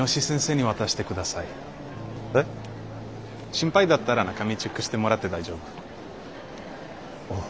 心配だったら中身チェックしてもらって大丈夫。